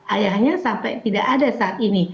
ayahnya sampai tidak ada saat ini